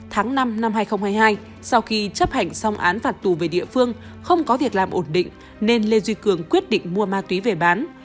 tháng năm năm hai nghìn hai mươi hai sau khi chấp hành xong án phạt tù về địa phương không có việc làm ổn định nên lê duy cường quyết định mua ma túy về bán